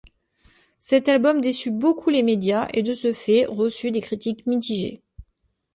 Cet album déçut beaucoup les médias et de ce fait reçut des critiques mitigées.